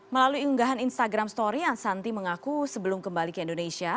melalui unggahan instagram story ashanti mengaku sebelum kembali ke indonesia